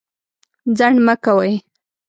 ځنډ مه کوئ.